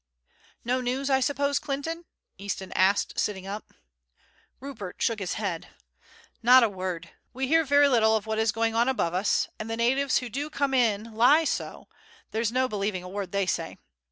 "No news, I suppose, Clinton?" Easton asked, sitting up. Rupert shook his head. "Not a word. We hear very little of what is going on above us, and the natives who do come in lie so, there's no believing a word they say.